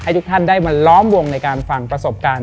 ทุกท่านได้มาล้อมวงในการฟังประสบการณ์